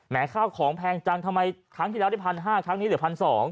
ข้าวของแพงจังทำไมครั้งที่แล้วได้๑๕๐๐ครั้งนี้เหลือ๑๒๐๐